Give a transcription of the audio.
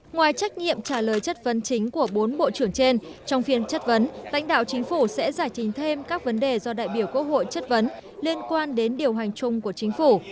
ngoài trách nhiệm trả lời chất vấn chính của bốn bộ trưởng trên trong phiên chất vấn đánh đạo chính phủ sẽ giải trình thêm các vấn đề do đại biểu quốc hội chất vấn liên quan đến điều hành chung của chính phủ